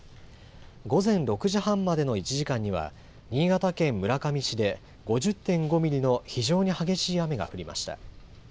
午前６時半までの１時間には、新潟県村上市で５０．５ミリの非常に激しい雨が降りました。